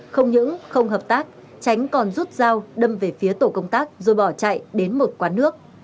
không những không hợp tác tránh còn rút dao đâm về phía tổ công tác rồi bỏ chạy đến một quán nước